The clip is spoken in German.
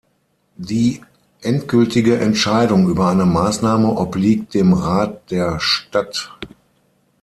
Die endgültige Entscheidung über eine Maßnahme obliegt dem Rat der Stadt.